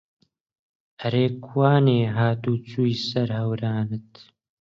ئەرێ کوانێ هات و چووی سەر هەوارانت